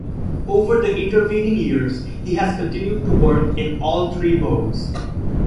Over the intervening years, he has continued to work in all three modes.